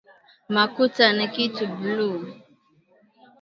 Makuta ni kitu bule